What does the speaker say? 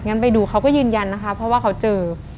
ไปดูเขาก็ยืนยันนะคะเพราะว่าเขาเจอ